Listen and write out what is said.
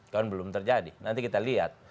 kan belum terjadi nanti kita lihat